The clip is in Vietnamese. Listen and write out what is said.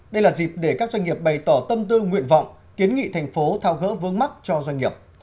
đây là dịp để các doanh nghiệp bày tỏ tâm tư nguyện vọng kiến nghị thành phố thao gỡ vương mắc cho doanh nghiệp